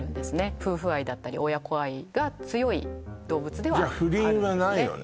夫婦愛だったり親子愛が強い動物ではあるんですね